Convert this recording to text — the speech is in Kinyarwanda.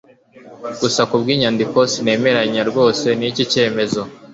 gusa kubwinyandiko, sinemeranya rwose niki cyemezo